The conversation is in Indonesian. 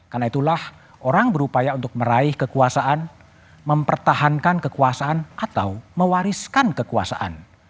karena itulah orang berupaya untuk meraih kekuasaan mempertahankan kekuasaan atau mewariskan kekuasaan